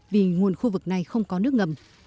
vì nguồn khu vực này không có nước ngầm